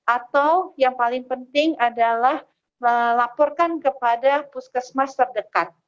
atau yang paling penting adalah melaporkan kepada puskesmas terdekat